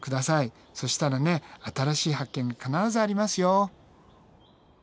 そしたらね新しい発見必ずありますよ。